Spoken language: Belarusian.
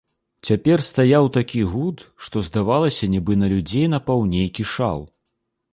Цяпер стаяў такі гуд, што здавалася, нібы на людзей напаў нейкі шал.